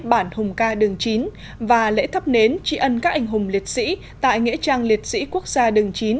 bản hùng ca đường chín và lễ thắp nến tri ân các anh hùng liệt sĩ tại nghĩa trang liệt sĩ quốc gia đường chín